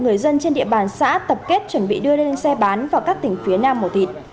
người dân trên địa bàn xã tập kết chuẩn bị đưa lên xe bán vào các tỉnh phía nam mổ thịt